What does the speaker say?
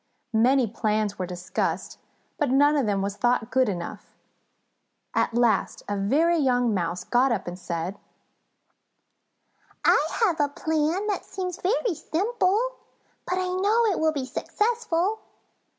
Many plans were discussed, but none of them was thought good enough. At last a very young Mouse got up and said: "I have a plan that seems very simple, but I know it will be successful.